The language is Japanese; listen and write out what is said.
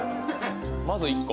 まず１個。